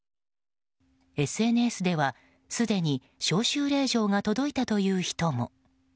ＳＮＳではすでに招集令状が届いたという人も。